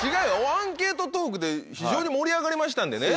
アンケートトークで非常に盛り上がりましたんでね。